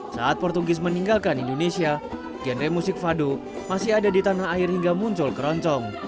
saat portugis meninggalkan indonesia genre musik fado masih ada di tanah air hingga muncul keroncong